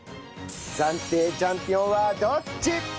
暫定チャンピオンはどっち！？